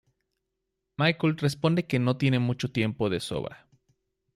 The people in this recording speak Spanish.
Michael responde que no tiene mucho tiempo de sobra.